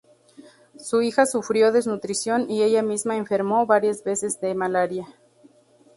Su hija sufrió desnutrición y ella misma enfermó varias veces de malaria.